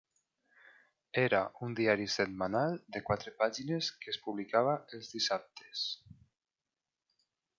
Era un diari setmanal de quatre pàgines que es publicava els dissabtes.